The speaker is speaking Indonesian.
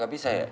gak bisa ya